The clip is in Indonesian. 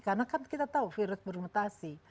karena kan kita tahu virus bermutasi